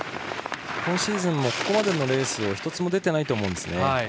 今シーズンもここまでのレースは１つも出てないと思うんですね。